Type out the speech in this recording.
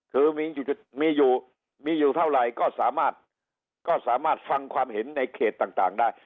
คือมีอยู่เท่าไหร่ก็สามารถฟังความเห็นในเขตต่างได้